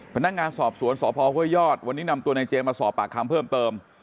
พนักงานสอบสวนสพพยวันนี้นำตัวในเจมาสอบปากคามเพิ่มเติม